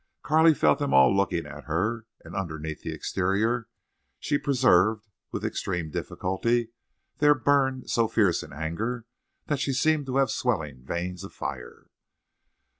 Carley felt them all looking at her, and underneath the exterior she preserved with extreme difficulty, there burned so fierce an anger that she seemed to have swelling veins of fire.